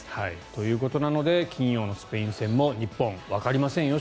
ということなので金曜日のスペイン戦も日本、わかりませんよ